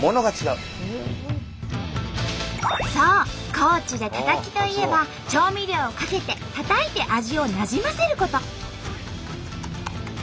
高知でタタキといえば調味料をかけてたたいて味をなじませること。